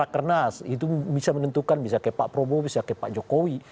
rakenas itu bisa menentukan bisa kayak pak probo bisa kayak pak jokowi